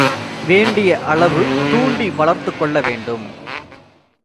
வேண்டிய அளவு தூண்டி வளர்த்துக் கொள்ள வேண்டும்.